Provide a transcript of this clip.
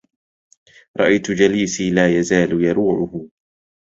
رأيت جليسي لا يزال يروعه